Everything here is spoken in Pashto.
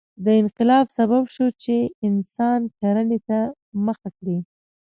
دا انقلاب سبب شو چې انسان کرنې ته مخه کړي.